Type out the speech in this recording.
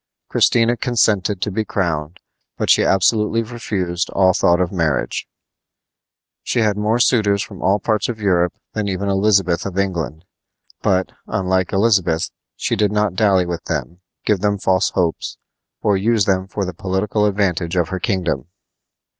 Christina consented to be crowned, but she absolutely refused all thought of marriage. She had more suitors from all parts of Europe than even Elizabeth of England; but, unlike Elizabeth, she did not dally with them, give them false hopes, or use them for the political advantage of her kingdom.